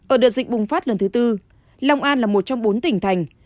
ở đợt dịch bùng phát lần thứ tư long an là một trong bốn tỉnh thành